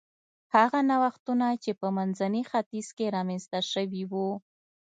هغه نوښتونه چې په منځني ختیځ کې رامنځته شوي و